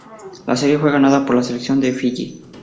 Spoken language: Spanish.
La serie fue ganada por la selección de Fiyi.